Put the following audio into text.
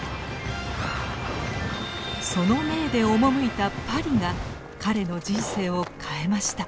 その命で赴いたパリが彼の人生を変えました。